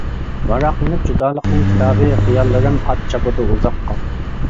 ۋاراقلىنىپ جۇدالىقنىڭ كىتابى، خىياللىرىم ئات چاپىدۇ ئۇزاققا.